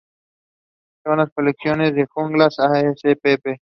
Son las colecciones de Juglans spp.